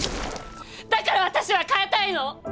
だから私は変えたいの！